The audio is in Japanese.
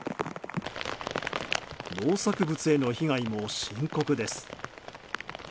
農作物への被害も深刻です。